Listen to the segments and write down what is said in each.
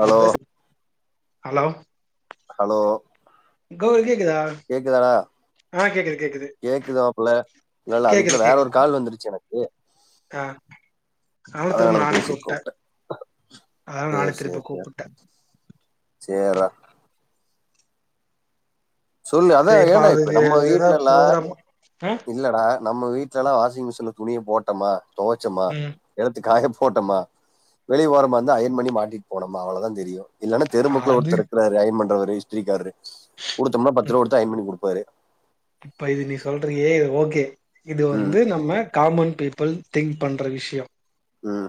நா பேச hello hello கௌ கேக்குதா ஆ கேக்குது கேக்குது கேக்குதாப்புல்ல இல்லல்ல அதுக்குள்ள கேக்குது வேற ஒரு கேக்குது கால் வந்துருச்சு எனக்கு ஆ அவனு திரும்ப அதனால அத நானு பேசிட்டு கூப்ட்டே கூப்பிட்டேன் அதா நானே திருப்ப கூப்புட்டே சேர்ரா சொல்லு அதா சரி ஏண்டா இப்ப அதுக்கு நம்ம ஏதா வீட்லலா ப்ரோக்ராம் ஆ இல்லடா நம்ம வீட்டுல எல்லா வாஷிங் மிஷின்ல துணிய போட்டோமா தொவச்சோமா ம் எடத்துக்காய போட்டோமா வெளிய ஓரமா இருந்து ஐயன் பண்ணி மாட்டிட்டு போனோம்மா அவ்வளோதா தெரியு இல்லன்னா தெரு முக்குல அது ஒருத்தர் இருக்கராரு அயன் பண்றவரு இஸ்திரிகாரரு குடுத்தம்னா பத்து ரூவா குடுத்து அயன் பண்ணி குடுப்பாரு இப்ப இது நீ சொல்றியே ஓகே இது ம் வந்து நம்ம காமன் பீப்பிள் திங்க் பண்ணுற விஷயோ ம்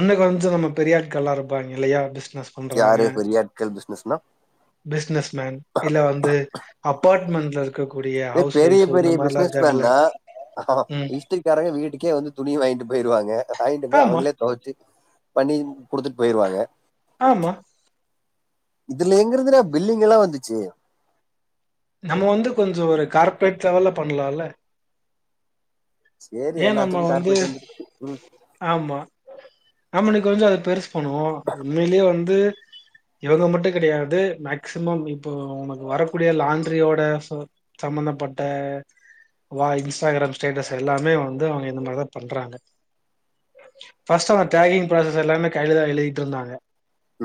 இன்னு கொஞ்சோ நம்ம பெரிய ஆட்கள் எல்லா இருப்பாங்க இல்லையா பிஸ்னஸ் பண்றாங்க யாரு பெரிய ஆட்கள் பிசினஸ்னா பிஸ்னஸ் மேன் இல்ல வந்து அபார்ட்மெண்ட்ல இருக்க க்கக்கூடிய இதே பெரிய பெரிய பிஸ்னஸ் மேன்னா ம் இஸ்திரிக்காரங்க வீட்டுக்கே வந்து துணிய வாங்கிட்டு போயிர்வாங்க வாங்கிட்டு போய் ஆமா அவுங்களே தொவைச்சு பண்ணி குடுத்துட்டு போயிருவாங்க ஆமா இதுல எங்க இருந்துடா பில்லிங் எல்லா வந்துச்சு நம்ம வந்து கொஞ்சோ ஒரு கார்ப்ரேட் லெவல்ல பண்ணலால்ல சேரி ஏன் நம்ம எல்லாத்துக்கு வந்து கார்ப்ரேட் வந்துருச்சு ம் ஆமா நம்ம இன்னு கொஞ்சோ அது பெருசு பண்ணுவோ உண்மையிலே வந்து இவுங்க மட்டு கெடையாது மேக்சிமம் இப்போ உனக்கு வரக்கூடிய லாண்ட்ரியோட சம்பந்தப்பட்ட வா இன்ஸ்டாகிராம் ஸ்டேட்டஸ் எல்லா மே வந்து அவுங்க இந்த மாரிதா பண்றாங்க ஃபர்ஸ்ட் அந்த டாகிங் ப்ராசஸ் எல்லாமே கைலாதா எழுதிட்டு இருந்தாங்க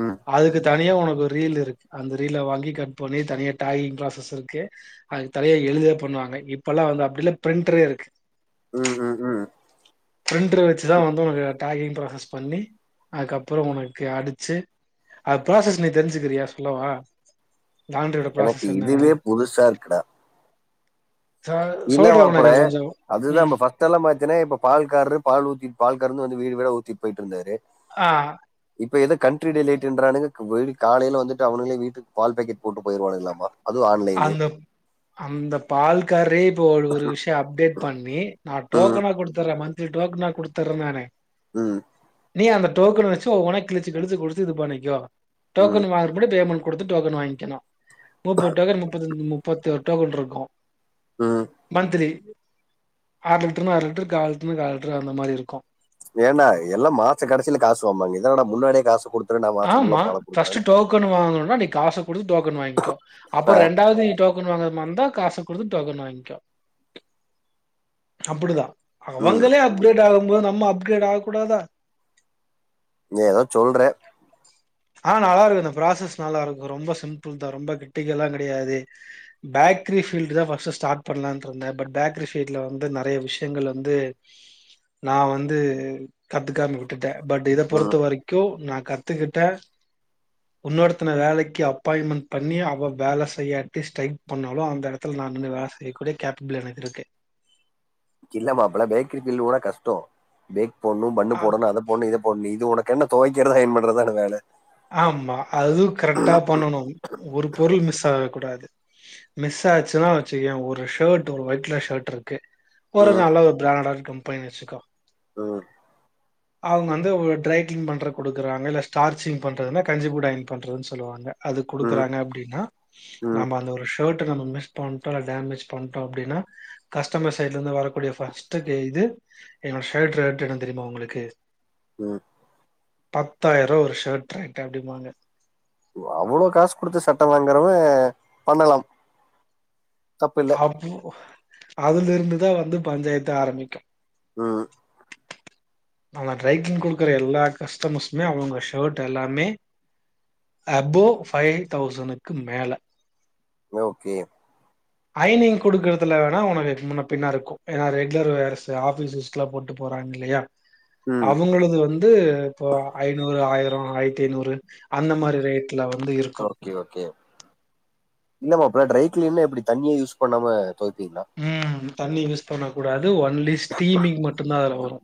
ம் அதுக்கு தனியா உனக்கு ரீல் இருக்கு அந்த ரீல வாங்கி கட் பண்ணி தனியா டாகிங் ப்ராசஸ் இருக்கு அதுக்கு தலையா எழுதே பண்ணுவாங்க இப்பெல்லா வந்து அப்டில்ல பிரிண்ட்டரே இருக்கு ம் ம் ம். பிரிண்ட்ரு வச்சுதா வந்து உனக்கு டேகிங் ப்ராசஸ் பண்ணி அதுக்கப்புற உனக்கு அடிச்சு அது ப்ராசஸ் நீ தெரிஞ்சுக்கிறியா சொல்லவா லாண்ரியோட எனக்கு ப்ராசஸ் என்னான்னு இதுவே புதுசா இருக்குடா இல்ல மாப்புல உனக்கு கொஞ்சோ அதுதா ம் நம்ப ஃபஸ்ட் ட்டெல்லா பாத்தேன்னா இப்ப பால்கார்ரு பால் ஊத்திட்டு பால்காரந்து வந்து வீடு வீடா ஊத்திட்டு போயிட்டு இருந்தரு ஆ இப்ப ஏதோ கண்ட்ரி டிலைட் இன்றானுங்க இப்ப எப்டி காலையில வந்துட்டு அவுனுங்களே வீட்டுக் பால் பேக்கெட் போட்டு போயிருவானுங்களாமா அதுவும் ஆன்லைனு அந்தப் அந்த பால்காரே இப்போ ஒரு ஒரு விஷயோ அப்டேட் பண்ணி நா ம் டோக்கனா குடுத்துட்றே மன்த்லி டோக்கனா குடுதுட்றே நானு ம் நீ அந்த டோக்கன வச்சு ஒவ்ஒன்னா கிழச்சு கிழச்சு குடுத்து இது பண்ணகோ ம் டோக்கனு வாங்க முன்னாடியே பேமென்குடுத்து டோன் வாங்கிகனு முப்பது டோக்கன் முப்பத்தஞ் முப்பத்தி ஒரு டோக்கன் இருக்கு ம் மந்த்லி ஆறு லிட்டருனா ஆறு லிட்டரு கால் லிட்டர்னா‌ கால் லிட்டர் அந்த மாரி இருக்கு ஏன்டா எல்லா மாசக் கடைசியில காசு வாங்பாங்க இத என்னடா முன்னாடியே காசு குடுத்துறு நா மாசோ ஃபுல்லா பலாக் குடுக்குறேன்னு டோக்கனு வாங்கணும்னா நீ காச குடுத்து டோக்கனு வாங்கோ அப்போ ஆ, நீ ரெண்டாவது டோக்கன் டோகன் வாங்கறமாரிந்தா காச குடுத்து டோகன் வாங்கோ அப்படிதா ம் அவங்களே அப்கிரேட் ஆகும்போது நம்ம அப்கிரேட் ஆக கூடாதா நீ ஏதோ சொல்ற ஆ நல்லா இருக்கு அந்த ப்ராசஸ் நல்லா இருக்கு ரொம்ப சிம்பிள் தா ரொம்ப கிரிட்டிக்கல்லா கெடையாது பேக்ரி ஃபீல்ட்டு தா ஃபர்ஸ்ட்டு ஸ்டார்ட் பண்ணலான்னுட்டு இருந்தே பட் பேக்கரி ஃபீல்ட்டுல வந்து நறைய விஷயங்கள் வந்து நா வந்து கத்துக்காம விட்டுட்டே பட் இத ம் பொறுத்த வரைக்கு நா கத்துக்கிட் ட உன்னொருத்தன வேலைக்கு அப்பாயிண்ட்மெண்ட் பண்ணி அவ வேல செய்யாட்டி ஸ்டைக் பண்ணாலு அந்த எடத்துல நா நின்னு வேல செய்யக்கூடிய கேப்பபிள் எனக்கிருக்கு இல்ல மாப்பல பேக்கரி பில் ஒட கஷ்டோ பேக் போட்ணோ பண்ண அ போட்ணோ அத போட்ணோ இத போட்ணோ இது உனக்கு என்ன துவைக்கறத அயன் பண்றதானே வேல ஆமா அதுவு கரெக்டா பண்ணணு ஒரு பொருள் மிஸ் ஆக கூடாது மிஸ் ஆயிச்சுன்னா வெச்சுக்கயே ஒரு ஷர்ட் ஒரு ஒயிட் கலர் ஷர்ட் இருக்கு ஒரு ம் நல்ல ஒரு பிராண்டட் கம்பெனின் வெச்சிக்கோ ம் அவுங்க வந்து ஒரு ட்ரை கிளீனிங் பண்ற குடுக்குறாங்க இல்ல ஸ்டார்ச்சிங் பண்றதுனா கஞ்சிபோட்டு அயன் பண்றதுன்னு சொல்லுவாங்க அது ம் குடுக்குறாங்க அப்டின்னா ம் நம்ம அந்த ஒரு ஷர்ட் நம்ம மிஸ் பண்டோ இல்ல டேமேஜ் பண்டோ அப்டின்னா கஸ்டமர் சைட்ல இருந்து வரக்கூடிய ஃபர்ஸ்ட்டு கே இது என்னோட ஷர்ட் ரேட் என்னனு தெரியுமா உங்களுக்கு ம் பத்தாயிர ரூபா ஒரு கரெக்டா அப்டிம்பாங்க அவ்ளோ காசு குடுத்து சட்டவாங்குறவே பண்ணலா தப்பு இல்லை அப்போ அதுல இருந்துதா வந்து பஞ்சாயத்து ஆரம்பிக்கு ம் நங்க ட்ரை கிளீனிங் குடுக்குற எல்லா கஸ்டமர்ஸுமே அவுங்க ஷர்ட் எல்லாமே அபோ ஃபைவ் தௌசனுக்கு மேல ஓகே அயனிங் குடுக்கறதுல வேணா உனக்கு முன்ன பின்ன இருக்கு ஏன்னா ரெகுலர் வேர்ஸ் ஆபீஸ் யூஸ்கலா போட்டு போறாங்க இல்லையா ம் அவுங்களது வந் து இப்போ ஐநூறு ஆயிரோ ஆயிரத்தி ஐநூறு அந்த மாரி ரேட்ல வந்து இருக் ஓகே ஓகே இல்ல மாப்ள ட்ரை கிளீன்னா எப்படி தண்ணியே யூஸ் பண்ணாம துவைப்பீங்களா ம் தண்ணி யூஸ் பண்ண கூடாது ஒன்லி ஸ்டீமிங் மட்டு தா அதுல வரோ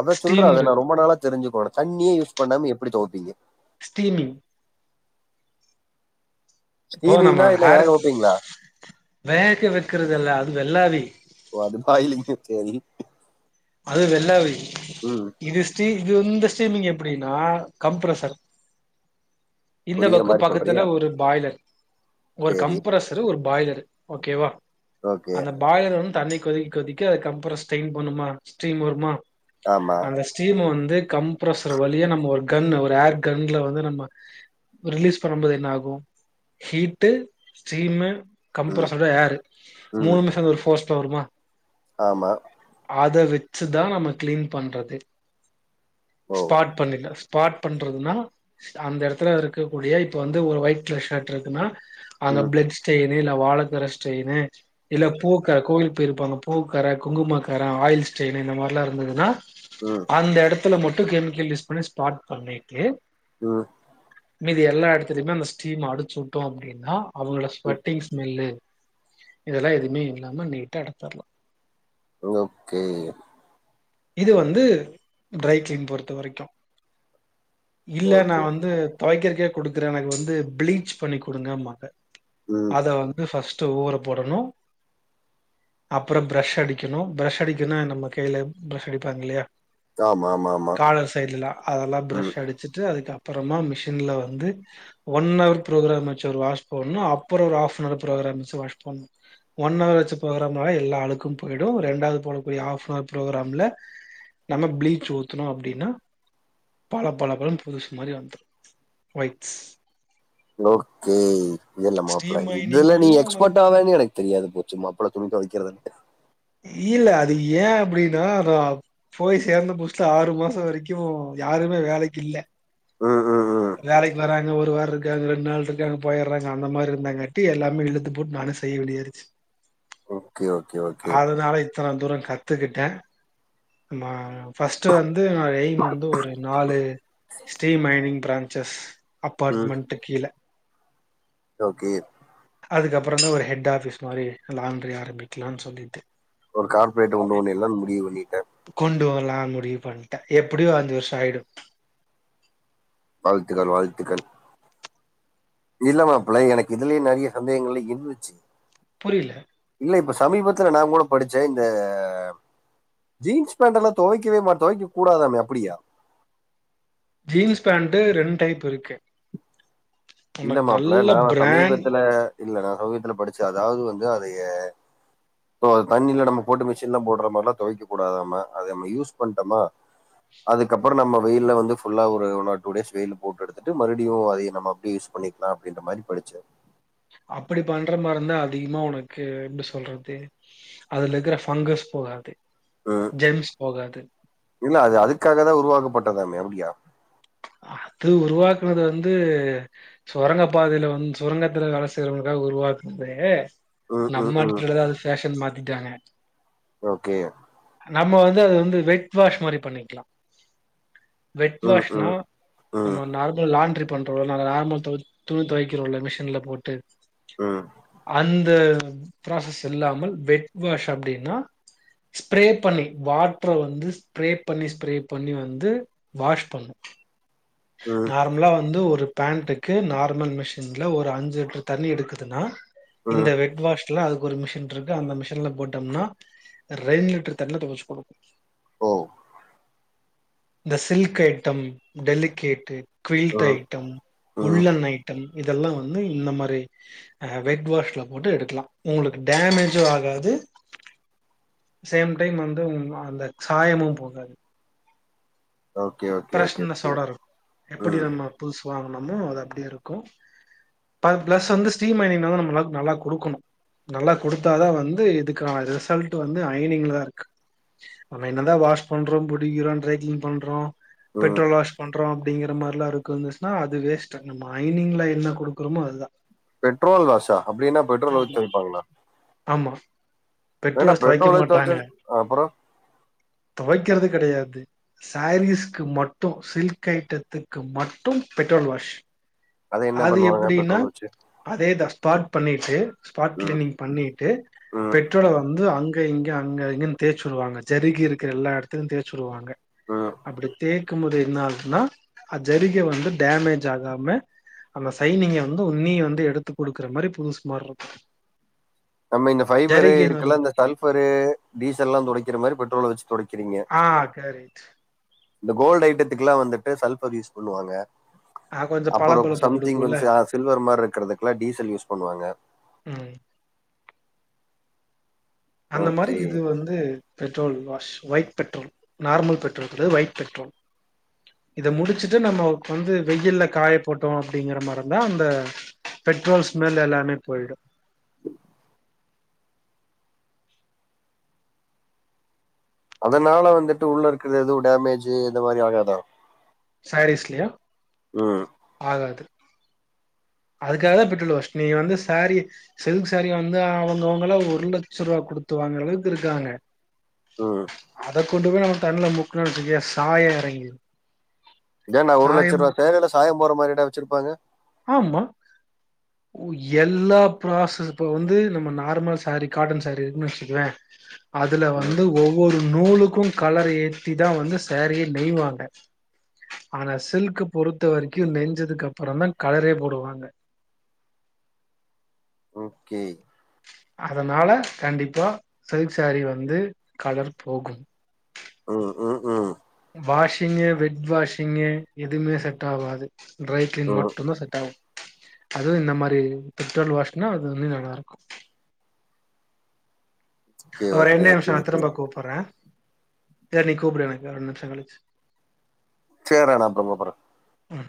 அத சொல்றா அத நா ரொம்ப நாளா தெரிஞ்சக்கோனு தண்ணியே யூஸ் பண்ணாம எப்டி துவப்பீங்க ஸ்டீமிங் இப்ப நம்ம ஸ்டீமிங்னா என்ன வேக ஹர்க் வைப்பீங்களா வேக வைக்றதில்ல அது வெள்ளாவி ஓ அது பாய்லிங்கு செரி அது ம் வெள்ளாவிஇது ஸ்டிஇது வந்து ஸ்ட்ரீமிங் எப்டின்னா கம்ப்ரசர் இந்த புரியுற பக்கு மாதிரி பக்கத்துல சொல்றியா ஒரு பாய்லர் ஒரு கம் சரி கம்ப்ரசரு ஒரு பாய்லரு ஓகேவா ஓகே அந்த பாய்லர் வந்து தண்ணி கொதிக்க கொதிக்க கம்ப்ரஸ் ஸ்டைன் பண்ணுமா ஸ்டீம் வருமா ஆமா அந்த ஸ்டீம் வந்து கம்ப்ரசர் வழியா நம்ம ஒரு கன் ஒரு ஏர் கன்ல வந்து நம்ம ரிலீஸ் பண்ணுபோது என்ன ஆகு ஹீட்டு ஸ்டீமு ம் கம்ப்ரசரோட ஏரு ம் மூணு சேந்து ஒரு ஃபோர்ஸ்ட வருமா ஆமா அத வச்சுதா நம்ம கிளீன் பண்றது ஓ ஸ்பாட் பண்ணிக்லா ஸ்பார்ட் பண்றதுன்னா அந்த இடத்துல இருக்கக்கூடிய இப்ப வந்து ஒரு ஒயிட் கலர் ஷர்ட் இருக்குனா அங்க ம் பிளட்ஸ் ஸ்டைனு இல்ல வாழக்கார ஸ்டைனு இல்ல பூக் கோவிலுக்கு போயிருப்பாங்க பூக்கற குங்குமக்கற ஆயில்ஸ் ஸ்டைன் இந்த மாரில்லா இருந்துதுன்னா ம் அந்த இடத்துல மட்டு கெமிக்கல் யூஸ் பண்ணி ஸ்பார்ட் பண்ணிட்டு ம் மீதி எல்லா இடத்துலையுமே அந்த ஸ்டீம் அடிச்சு உட்டோ அப்டின்னா அவங்களோட ம், ஸ்வட்டிங் ஸ்மெல்லு இதெல்லா எதுவுமே இல்லாம நீட்டா எடுத்துர்லா ஓகே இது வந்து ட்ரை கிளீன் பொறுத்த வரைக்கு இல்லனா ஓகே வந்து துவைக்கிறதுக்கே குடுக்குற எனக்கு வந்து பிளீச் பண்ணி குடுங்கபாங்க ம் அத வந் ஃபர்ஸ்ட் ஊர போடணு அப்பற பிரஷ் அடிக்கணு பிரஷ் அடிக்க இதுனா நம்ம கைல பிரஷ் அடிப்பாங்க இல்லையா ஆமா ஆமா ஆமா காலர் சைடுலல்லா அதெல்லா பிரஷ் ம் அடிச்சுட்டு அதுக்கு அப்பறந்தா மிஷின்ல வந்து ஒன் அவர் ப்ரோக்ராம் வச்சு ஒரு வாஷ் போட்ணு அப்பற ஒரு ஹாஃப்னவர் ப்ரோகிராம் வச்சு வாஷ் பண்ணு ஒன் அவர் வச்சு ப்ரோக்ராம் பண்ணா எல்லா அழுக்கு போய்டு ரெண்டாவது போட ஒரு ஹாஃப்னவர் ப்ரோக்ராம்ல நம்ம பிளீச் ஊத்னோ அப்டின்னா பள பள பளன் புதுசு மாரி வந்துரு ஒய்ட்ஸ் ஓகே இல்ல மாப்ள ஸ்டீம் இதுல்ல நீ மைனிங்லயும் உனக் எக்ஸ்பர்ட் ஆவன் எனக் தெரியாது போச்சு மாப்ள துணி துவைக்கிறதுன்னு இல்ல அது ஏன் அப்டின்னா அது போய் சேர்ந்த புஸ்ல ஆறு மாச வரைக்கு யாருமே வேலைக்கு இல்ல ம் ம் ம் வேலைக்கு வராங்க ஒரு வார இருக்காங்க ரெண்டு நாள் இருக்காங்க போய்டுறாங்க அந்த மாதிரி இருந்தாங்கட்டி எல்லாமே இழுத்து போட்டு நானே செய்ய வேண்டியடுச்சு ஓகே ஓகே ஓகே அதனால இத்தன தூர கத்துக்கிட்ட நம்ம ஃபர்ஸ்ட் வந்து என்னோட எய்ம் வந்து ஒரு நாலு ஸ்ட்ரீம் அயனிங் பிரான்ச்சஸ் ம் அப்பார்ட்மென்ட் கீழ ஓகே அதுக்கப்றந்தா ஒரு ஹெட் ஆஃபிஸ் மாரி லாண்ட்ரி ஆரம்பிக்கலான் சொல்லிட்டு ஒரு கார்ப்ரேட்ட உண்டு பண்ணில்லான் முடிவு பண்ணிட்ட கொண்டு வர்லான் முடிவு பண்ட்டே எப்டியு அஞ்சு வர்ஷோ ஆயிடு வாழ்த்துக்கள் வாழ்த்துக்கள் இல்ல மாப்ள எனக்கு இதுலே நறைய சந்தேகங்கள்லா இருந்துச்சு புரில இல்ல இப்ப சமீபத்துல நா கூட படிச்சே இந்த ஜீன்ஸ் பேண்டலா தொவைக்கவே மா தொவைக்க கூடாதாமே அப்டியா ஜீன்ஸ் பேண்ட்டு ரெண் டைப் இருக்கு இல்ல உனக்கு மாப்ள நல்ல நா பிராண்ட் சமீபத்துல இல்ல நா சமீபத்துல படிச்சே அதாது வந்து அத ஏ இப்போ தண்ணில நம்ம போட்டு மிஷின்ல போட்ற மாரிலா தொவைக்க கூடாதாமா அத நம்ம யூஸ் பண்ட்டமா அதுக்கப்றோ நம்ம வெயில்ல வந்து ஃபுல்லா ஒரு ஒன் ஆர் டூ டேஸ் வெயில்ல போட்டு எடுத்துட்டு மறுடியு அதே நம்ம யூஸ் பண்ணிக்லா அப்டின்ற மாரி படிச்சே அப்டி பண்ற மார்ருந்தா அதிகமா ஒனக்கு எப்டி சொல்றது அதுல இருக்ற ஃபங்கஸ் போகாது ம். ஜெம்ஸ் போகாது இல்ல அது அதுக்காக தா உருவாக்கப்பட்டதாமே அப்டியா அது உருவாக்குனது வந்து சொரங்க பாதைல வந் சொரங்கத்துல வேல செய்றவங்களுக்கா உருவாக்னதே ம் ம் நம்ம ம் ஆட்களலாதா அது ஃபேஷன்னு மாத்திட்டாங்க ஓகே நம்ம வந்து அது வந்து வெட் வாஷ் மாரி பண்ணிக்கலா வெட் ம் வாஷ்னா ம் ம் நம்ம நார்மல் லாண்ட்ரி பண்றோல நார்மல் தொவ துணி தொவைக்கிறோல மிஷின்ல போட்டு ம் அந்த ப்ராசஸ் இல்லாமல் வெட் வாஷ் அப்டின்னா ஸ்ப்ரே பண்ணி வாட்ர வந்து ஸ்ப்ரே பண்ணி ஸ்ப்ரே பண்ணி வந்து வாஷ் பண்ணு ம் நார் மலா வந்து ஒரு பேண்ட்டுக்கு நார்மல் மிஷின்ல ஒரு அஞ்சு லிட்ரு தண்ணி எடுக்குதுன்னா ம் இந்த வெட் வாஷ் ட்ல அதுக்கு ஒரு மிஷின்ருக்கு அந்த மிஷின்ல போட்டம்னா ரெண் லிட்ரு தண்ல தொவச்சு குடுக்கு ஓ இந்த சில்க் ஐட்டம் டெலிகேட்டு கிரீட் ம் ஐட்டம் ம் உள்ளன் ஐட்டம் இதெல்லா வந்து இந்த மாரி அ வெட் வாஷ்ல போட்டு எடுக்குலா உங்குளுக்கு டேமேஜு ஆகாது சேம் டைம் வந்து உங்க அந்த சாயமு போகாது ஓகே ஓகே ஓகே ஓகே ஃப்ரெஷ்னஷ்சோட இருக்கு எப்புடி ம் நம்ம புதுசு வாங்குனமோ அது அப்டியே இருக்கு ப பிளஸ் வந்து ஸ்டீம் அயனிங்குனால நம் அந்தளவுக்கு நல்லா குடுக்குணு நல்லா குடுத்தா தா வந்து இதுக்கான ரிசல்ட் வந்து அயனிங்ல தா இருக்கு நம்ம என்னதா வாஷ் பண்றோ புடிக்கிறோ ட்ரை கிளின் பண்றோ ம் பெட்ரோல் வாஷ் பண் ப்றோ அப்டிங்கிற மாரிலா இருக்கு ந்துச்சுன்னா அது வேஸ்ட்டு நம்ம ஐனிங்ல என்ன குடுக்குறமோ அதுதா பெட்ரேல் லாஸா அப்டின்னா பெட்ரோல் வெச்சு ஆமா விப்பாங்களா ஆமா பெட்ரோல் ஸ்ட்ரைக்க ஊத்தி மாட்டாங்க வச்சா அப்புறோ தொவைக்கிறது கெடையாது சாரீஸ்க்கு மட்டு சில்க் கைட்டத்துக்கு மட்டு பெட்ரோல் வாஷ் அத என்ன அது பண்ணுவாங்க எப்டின்னா பெட்ரோல் வச்சு அதேதா ஸ்பாட் பண்ணிட்டு ஸ்பாட் ம் கிளீனிங் பண்ணிட்டு ம் பெட்ரோல வந்து அங்க இங்க அங்க இங்கன்னு தேச்சுடுவாங்க ஜருகி இருக்கிற எல்லா எடத்துலயு தேச்சுருவாங்க ம் அப்டி தேக்கும்போது என்ன ஆகுதுன்னா அது ஜரிகை வந்து டேமேஜ் ஆகாம அந்த சைனிங்க வந்து உன்னீ வந்து எடுத்து குடுக்கற மாரி புதுஸ் மார்ருக்கு நம்ம இந்த ஃபைபரு இதுக்கெல்லா வருதுல இந்த சல்பரு டீசல்லா தொடைக்கிற மாரி பெட்ரோல வச்சு தொடைக்கிறீங்க ஆ கரேட்டு இந்த கோல்டு ஐட்டத்துக்குல்லா வந்துட்டு சல்பர் யூஸ் பண்ணுவாங்க ஆ கொஞ்சோ அப்பறோ பளபளப்பு சம்திங் குடுக்குல்ல வென்ஸ் ஆஸ்க் சில்வர் மார்ருக்கறதுக்குலா டீசல் யூஸ் பண்ணுவாங்க ம் அந்த மாரி ஓகே இது வந்து petrol wash white petrol normal petrol கெடையாது ஒயிட் பெட்ரோல் இத முடிச்சுட்டு நமக்கொந்து வெயில்ல காய போட்டோ அப்டிங்கிற மாருந்தா அந்த பெட்ரோல் ஸ்மெல் எல்லாமே பொய்டு அதனால வந்துட்டு உள்ள இருக்கற எதுவு டேமேஜ் இந்த மாரி ஆகாதா சாரீஸ்லையா ம் ஆகாது அதுக்காகதா பெட்ரோல் வாஷ் நீங்க வந்து சேரி சில்க் சாரிய வந்து அவங்கவுங்களா ஒரு லட்சம் ரூவா குடுத்து வாங்குற அளவுக் இருக்காங்க ம் அத கொண்டு போய் நம்ம தண்ல முக்குணோ வச்சுக்கோயே சாயோ எறங்கிரு இதென்னா சாயம் ஒருலட்ச ரூவா சேலைல சாயம் போற மாரிடா வச்சிருப்பாங்க ஆமா ஓ எல்லா ப்ராசஸ் இப்ப வந்து நம்ம நார்மல் சாரீ காட்டன் சாரீ இருக்குன்னு வச்சுக்குவே அதுல வந்து ஒவ் வொரு நூலுக்கு கலர் ஏத்தி தா வந்து சேரியே நெய்வாங்க ஆனா சில்க்க பொறுத்த வரைக்கு நெஞ்சதுக்கு அப்றோ தா கலரே போடுவாங்க ஓகே அதனால கண்டிப்பா சில்க் சாரி வந்து கலர் போகு ம் ம் ஹும் வாஷிங்கு வெட் வாஷிங்கு எதுமே செட்டாவாது ட்ரை கிளீன் மட்டுந்தா செட்டாகு அதுவு இந்த மாரி பெட்ரோல் வாஷ்னா அதுவ்மே நல்லாருக்கு ஓகே ஒர் ஓகே ரெண்டே ஓகே நிமிஷொ நா ஓகே திரும்ப கூப்புறே இல்ல நீ கூப்டு எனக்கு ரெண்டு நிமிஷொ கழிச்சு சேர்ரா நா அப்பறோ கூப்புறே ம்